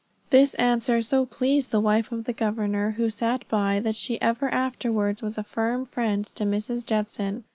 This answer so pleased the wife of the governor, who sat by, that she ever afterwards was a firm friend to Mrs. Judson.